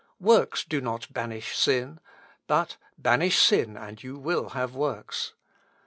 Works do not banish sin; but banish sin, and you will have works.